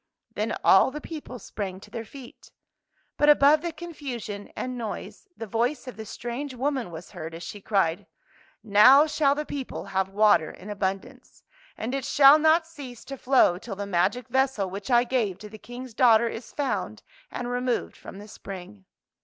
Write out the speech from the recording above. " Then all the people sprang to their feet. But above the confusion and noise the voice of the strange woman was heard, as she cried, ''Now shall the people have w^ater in abundance. And it shall not cease to flow till the magic vessel which I gave to the King's daughter is found and removed from the spring."